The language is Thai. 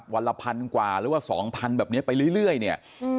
วันละ๑๐๐๐กว่าหรือ๒๐๐๐แบบนี้ไปเรื่อย